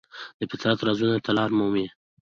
د فطرت رازونو ته لاره مومي.